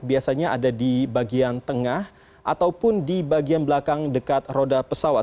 biasanya ada di bagian tengah ataupun di bagian belakang dekat roda pesawat